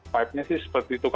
vibe nya sih seperti itu